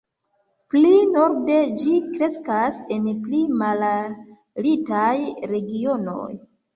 Pli norde, ĝi kreskas en pli malaltaj regionoj.